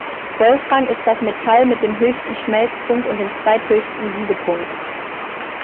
Wolfram ist das Metall mit dem höchsten Schmelzpunkt und dem zweithöchsten Siedepunkt.